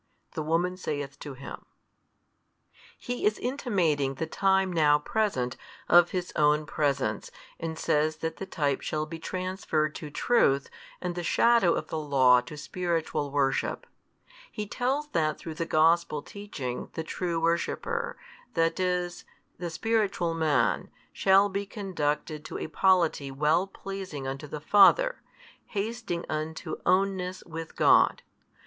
The woman saith to Him, He is intimating the time now present of His Own |219 Presence and says that the type shall be transferred to truth and the shadow of the Law to spiritual worship: He tells that through the Gospel teaching the true worshipper, that is, the spiritual man, shall be conducted to a polity well pleasing unto the Father, hasting unto ownness with God.